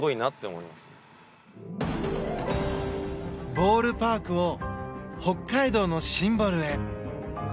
ボールパークを北海道のシンボルへ。